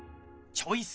チョイス！